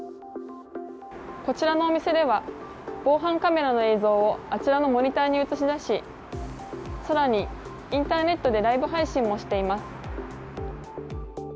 こちらのお店では防犯カメラの映像をあちらのモニターに映し出し更に、インターネットでライブ配信もしています。